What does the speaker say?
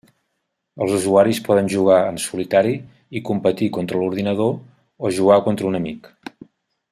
Els usuaris poden jugar en solitari i competir contra l'ordinador o jugar contra un amic.